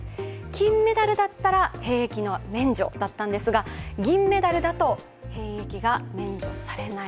金メダルだったら兵役の免除だったんですが銀メダルだったら免除されない。